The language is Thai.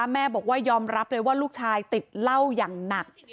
แม่บอกว่ายอมรับเลยว่าลูกชายติดเหล้าอย่างหนัก